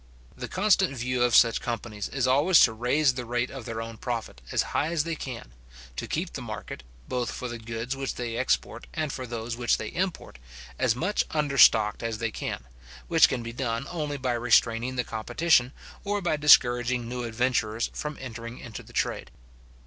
The constant view of such companies is always to raise the rate of their own profit as high as they can; to keep the market, both for the goods which they export, and for those which they import, as much understocked as they can; which can be done only by restraining the competition, or by discouraging new adventurers from entering into the trade.